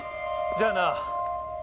じゃあな。